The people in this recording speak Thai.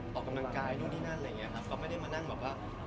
ที่นั่นละอย่างเงี้ยครับก็ไม่ได้มานั่งแบบว่า